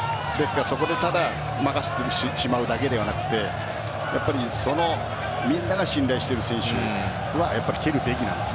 そこでただ任せてしまうだけではなくてみんなが信頼している選手は蹴るべきなんです。